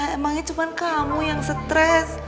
emangnya cuma kamu yang stres